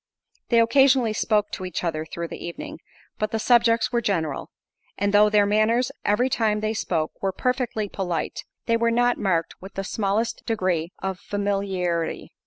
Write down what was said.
They occasionally spoke to each other through the evening, but the subjects were general—and though their manners every time they spoke, were perfectly polite, they were not marked with the smallest degree of familiarity.